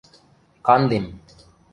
Кандем.